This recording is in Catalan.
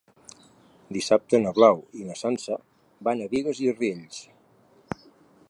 Dissabte na Blau i na Sança van a Bigues i Riells.